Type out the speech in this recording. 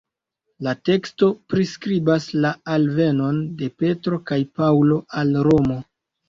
La teksto priskribas la alvenon de Petro kaj Paŭlo al Romo.